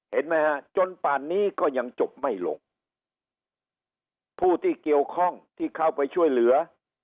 เห็นไหมฮะจนป่านนี้ก็ยังจบไม่ลงผู้ที่เกี่ยวข้องที่เข้าไปช่วยเหลือ